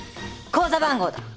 口座番号だ！